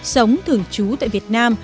sống thưởng trú tại việt nam